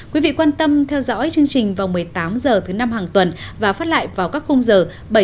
quý vị quan tâm theo dõi chương trình vào một mươi tám h thứ năm hàng tuần và phát lại vào các khung giờ